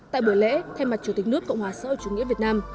tại buổi lễ thay mặt chủ tịch nước cộng hòa sở chủ nghĩa việt nam